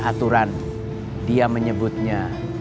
aturan dia menyebutnya